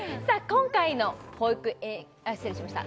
今回の保育失礼しました